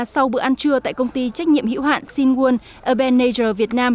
sau bữa ăn trưa tại công ty trách nhiệm hữu hạn sinh nguồn ebenezer việt nam